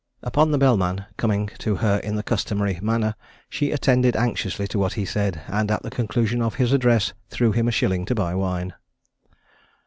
Upon the bellman coming to her in the customary manner, she attended anxiously to what he said, and at the conclusion of his address threw him a shilling to buy wine.